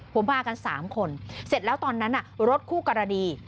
ผมมากัน๓คนเสร็จแล้วตอนนั้นรถคู่กรณี